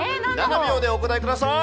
７秒でお答えください。